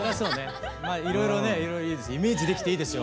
まあいろいろねイメージできていいですよ。